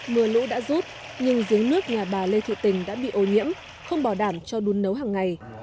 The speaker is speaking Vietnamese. mưa lũ đã rút nhưng giếng nước nhà bà lê thị tình đã bị ô nhiễm không bảo đảm cho đun nấu hằng ngày